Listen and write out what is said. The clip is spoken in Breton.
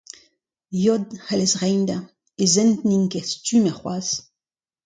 Yod a c'hellez reiñ dezhañ, e zent n'int ket stummet c'hoazh.